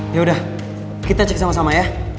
ya udah kita cek sama sama ya